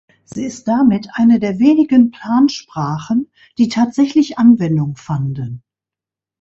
Sie ist damit eine der wenigen Plansprachen, die tatsächlich Anwendung fanden.